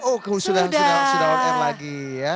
oh ke sudarung sudarung sudarung sudarung lagi ya